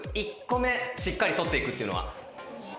１個目しっかりとっていくっていうのは。